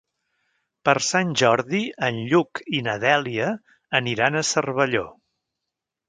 Per Sant Jordi en Lluc i na Dèlia aniran a Cervelló.